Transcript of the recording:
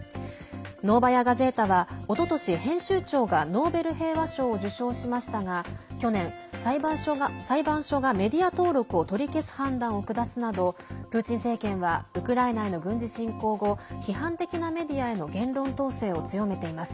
ノーバヤ・ガゼータはおととし、編集長がノーベル平和賞を受賞しましたが去年、裁判所がメディア登録を取り消す判断を下すなどプーチン政権はウクライナへの軍事侵攻後批判的なメディアへの言論統制を強めています。